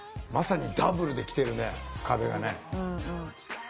まさにダブルで来てるね壁がね。